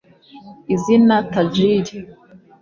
Izina ‘Tajiri’